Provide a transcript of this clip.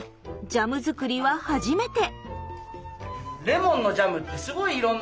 ジャムづくりは初めて。